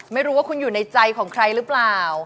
ไม่รู้ว่าคุณอยู่ในใจของใครหรือเปล่า